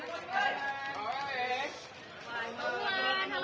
boleh dikenal lagi